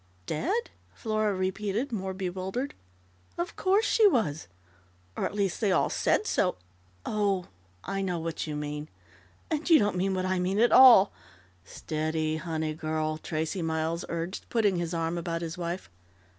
"Dead?" Flora repeated, more bewildered. "Of course she was, or at least, they all said so . Oh, I know what you mean! And you don't mean what I mean at all " "Steady, honey girl!" Tracey Miles urged, putting his arm about his wife.